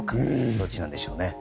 どっちなんでしょうね。